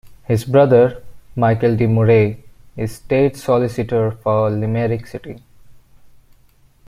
His brother, Michael D Murray is State Solicitor for Limerick City.